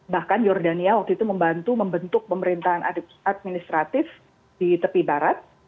bahkan jordania waktu itu membantu membentuk pemerintahan administratif di tepi barat